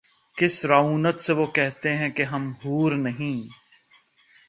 کس رعونت سے وہ کہتے ہیں کہ ’’ ہم حور نہیں ‘‘